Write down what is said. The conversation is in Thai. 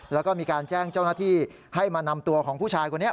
แล้วก็มีการแจ้งเจ้าหน้าที่ให้มานำตัวของผู้ชายคนนี้